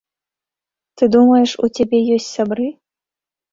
Ты думаеш, у цябе ёсць сябры?